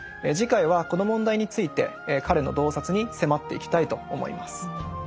次回はこの問題について彼の洞察に迫っていきたいと思います。